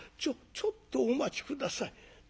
ちょっとお待ち下さい。